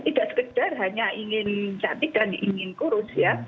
tidak sekedar hanya ingin cantik dan ingin kurus ya